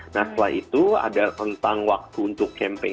nah setelah itu ada tentang waktu untuk campaign